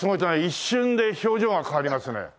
一瞬で表情が変わりますね。